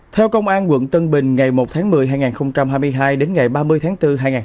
theo công an quận tân bình ngày một tháng một mươi hai nghìn hai mươi hai đến ngày ba mươi tháng bốn hai nghìn hai mươi bốn